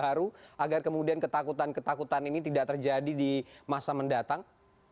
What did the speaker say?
ada tim baru agar kemudian ketakutan ketakutan ini tidak terjadi di masa mendatang